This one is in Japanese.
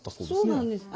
そうなんです。